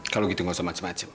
kalau gitu gak usah macem macem